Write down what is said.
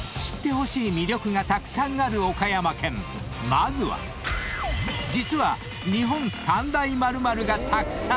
［まずは実は］